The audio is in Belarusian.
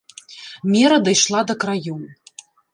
Мера дайшла да краёў.